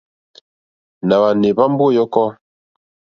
Nà hwànè èhwambo yɔ̀kɔ.